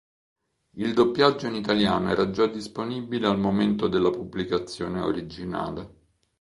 Il doppiaggio in italiano era già disponibile al momento della pubblicazione originale.